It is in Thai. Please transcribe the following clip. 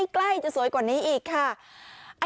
ใกล้จะสวยกว่านี้อีกค่ะ